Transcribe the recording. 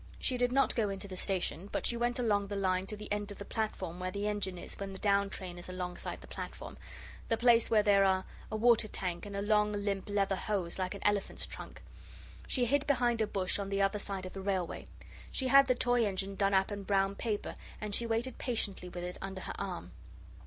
She did not go into the station, but she went along the line to the end of the platform where the engine is when the down train is alongside the platform the place where there are a water tank and a long, limp, leather hose, like an elephant's trunk. She hid behind a bush on the other side of the railway. She had the toy engine done up in brown paper, and she waited patiently with it under her arm.